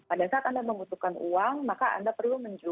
pada saat anda membutuhkan uang maka anda perlu menjual